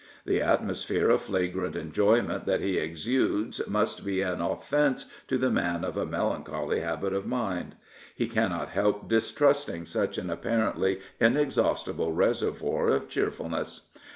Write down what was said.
The atmosphere of flagrant enjoyment that he exudes must be an offence to the man of a melancholy habit of mind. He cannot help distrusting such an apparently inexhaustible reservoir of cheerfulness.